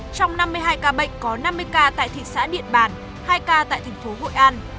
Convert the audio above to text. trong năm mươi hai ca bệnh có năm mươi ca tại thị xã điện bàn hai ca tại thành phố hội an